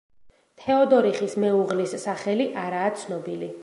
თეოდორიხის მეუღლის სახელი არაა ცნობილი.